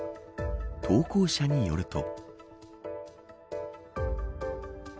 投稿者によると。